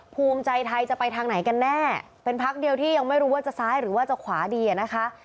ภูมิใจไทยจะไปทางไหนกันแน่เป็นพักเดียวที่ยังไม่รู้ว่าจะซ้ายหรือว่าจะขวาดีอะนะคะ